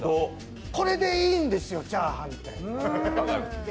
これでいいんですよ、チャーハンって。